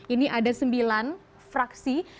ini ada sembilan fraksi